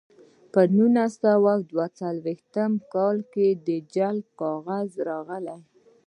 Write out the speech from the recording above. په نولس سوه دوه څلویښت کال د جلب کاغذ راغی